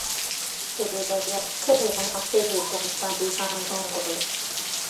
Teweerabira kukebera na kutereeza mpandiika ntongole.